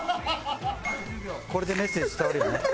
これでメッセージ伝わるよね？